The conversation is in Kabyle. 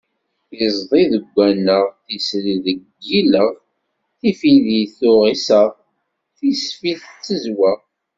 Iẓdi deg waneɣ, tisri deg yileɣ, tifidi tuɣ iseɣ, tisfi d tezweɣ.